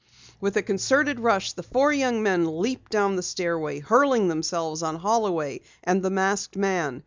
With a concerted rush, the four young men leaped down the stairway, hurling themselves on Holloway and the masked man.